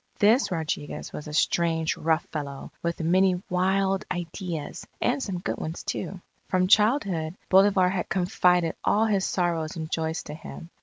This Rodriguez was a strange, rough fellow, with many wild ideas and some good ones too. From childhood, Bolivar had confided all his sorrows and joys to him.